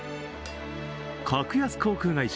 格安航空会社